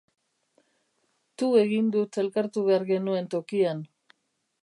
Tu egin dut elkartu behar genuen tokian.